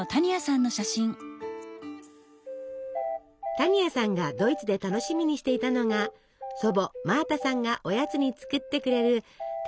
多仁亜さんがドイツで楽しみにしていたのが祖母マータさんがおやつに作ってくれる手作りのケーキでした。